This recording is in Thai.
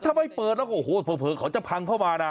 ถ้าไม่เปิดแล้วโอ้โหเผลอเขาจะพังเข้ามานะ